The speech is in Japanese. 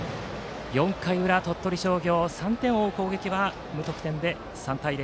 ４回裏、鳥取商業３点を追う攻撃は無得点で３対０。